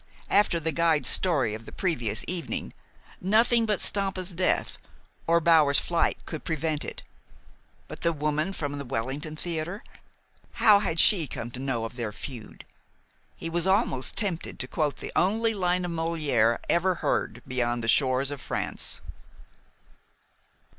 After the guide's story of the previous evening, nothing but Stampa's death or Bower's flight could prevent it. But the woman from the Wellington Theater, how had she come to know of their feud? He was almost tempted to quote the only line of Molière ever heard beyond the shores of France.